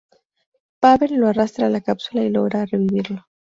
Pável lo arrastra a la cápsula y logra revivirlo.